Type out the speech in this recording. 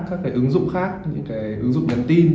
các ứng dụng khác những ứng dụng nhắn tin